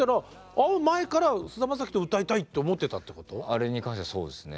あれに関してはそうですね。